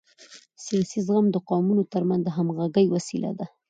سیاسي زغم د قومونو ترمنځ د همغږۍ وسیله ده